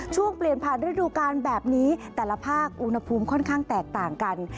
ช่วงเปลี่ยนผ่านฤดูการแบบนี้แต่ละภาคอุณหภูมิค่อนข้างแตกต่างกัน